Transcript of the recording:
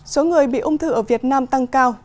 số người bị ung thư ở việt nam tăng cao